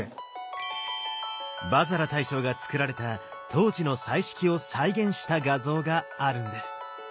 伐折羅大将がつくられた当時の彩色を再現した画像があるんです。